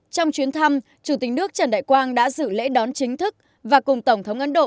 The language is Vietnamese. trong chuyến thăm chủ tịch nước trần đại quang đã dự lễ đón chính thức và cùng tổng thống ấn độ